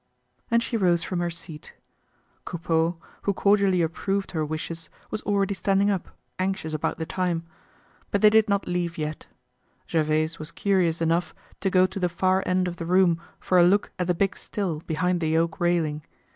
And she rose from her seat. Coupeau, who cordially approved her wishes, was already standing up, anxious about the time. But they did not leave yet. Gervaise was curious enough to go to the far end of the room for a look at the big still behind the oak railing.